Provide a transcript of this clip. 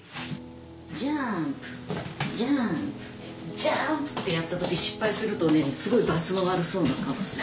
ジャンプ！ってやった時失敗するとねすごいバツの悪そうな顔をする。